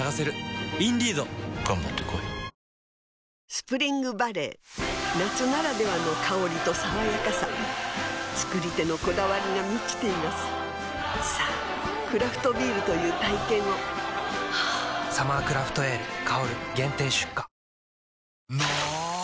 スプリングバレー夏ならではの香りと爽やかさ造り手のこだわりが満ちていますさぁクラフトビールという体験を「サマークラフトエール香」限定出荷の！